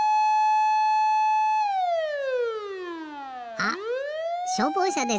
あっしょうぼうしゃですね。